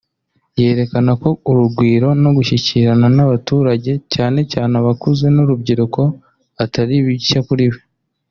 yerekana ko urugwiro no gushyikirana n’abaturage cyane cyane abakuze n’urubyiruko atari bishya kuri we